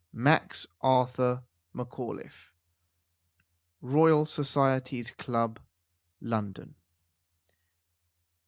MAX ARTHUR MACAULIFFE. ROYAL SOCIETIES CLUB, LONDON.